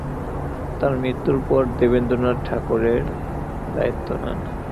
তার মৃত্যুর পর দেবেন্দ্রনাথ ঠাকুর এর দায়িত্ব নেন।